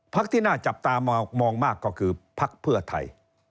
ภักดิ์ที่น่าจับตามองมากก็คือภักดิ์เพื่อไทย